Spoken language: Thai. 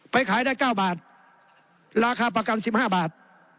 ขายได้๙บาทราคาประกัน๑๕บาท